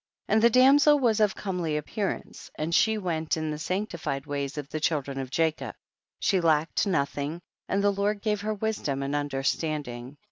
17. And the damsel was of a come ly appearance, and she went in the sanctified ways of the children of Jacob ; she lacked nothing, and the Lord gave her wisdom and under standing.